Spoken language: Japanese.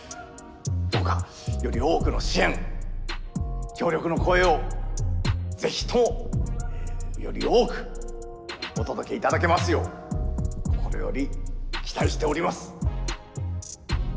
どうかより多くの支援協力の声をぜひともより多くお届け頂けますよう心より期待しております。